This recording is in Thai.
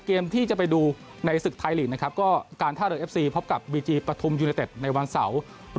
เกมที่จะไปดูในศึกไทยลีกนะครับก็การท่าเรือเอฟซีพบกับบีจีปฐุมยูเนเต็ดในวันเสาร์